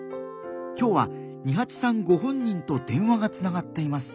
今日はニハチさんご本人と電話がつながっています。